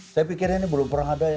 saya pikir ini belum pernah ada ya